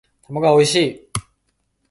卵はおいしい